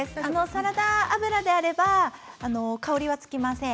サラダ油であれば香りがつきません。